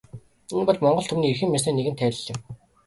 Энэ бол монгол түмний эрхэм ёсны нэгэн тайлал юм.